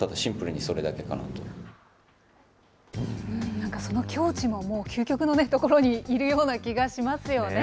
なんかその境地もね、究極のところにいるような気がしますよね。